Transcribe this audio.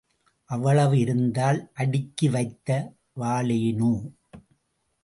அவ்வளவு இருந்தால் அடுக்கி வைத்து வாழேனோ?